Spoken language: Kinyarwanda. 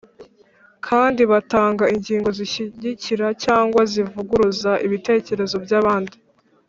kandi batanga ingingo zishyigikira cyangwa zivuguruza ibitekerezo by’abandi